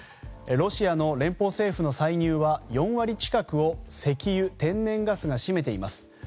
ロシアの連邦政府の歳入は４割近くを石油・天然ガスが占めています。